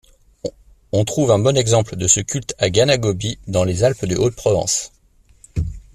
On trouve un bon exemple de ce culte à Ganagobie dans les Alpes-de-Haute-Provence.